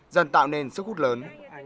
dần tạo nên sức hút lớn